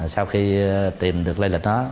sau khi tìm được lây lịch nó